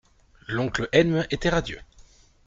L'oncle Edme était radieux.